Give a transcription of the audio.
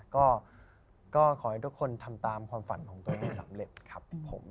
ก็ขอให้ทุกคนทำตามความฝันของตัวเองให้สำเร็จครับผม